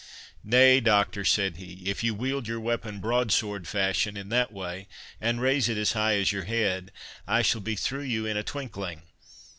"Nay, Doctor," said he, "if you wield your weapon broadsword fashion, in that way, and raise it as high as your head, I shall be through you in a twinkling."